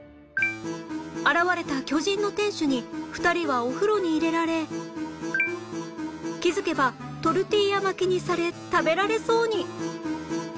現れた巨人の店主に２人はお風呂に入れられ気づけばトルティーヤ巻きにされ食べられそうに